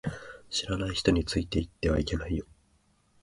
知らない人についていってはいけないよ